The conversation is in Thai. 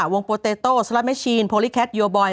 วงโปเตโต้สลัดแมชชีนโพลิแคทยูอบอย